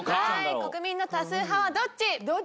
国民の多数派はどっち？